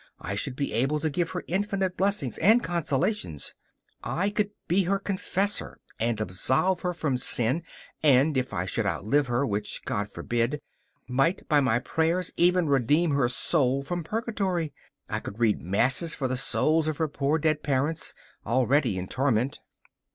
I should be able to give her infinite blessings and consolations. I could be her confessor and absolve her from sin, and, if I should outlive her which God forbid! might by my prayers even redeem her soul from Purgatory. I could read masses for the souls of her poor dead parents, already in torment.